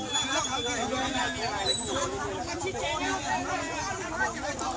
มีคนคุยกัน